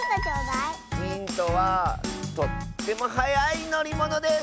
ヒントはとってもはやいのりものです！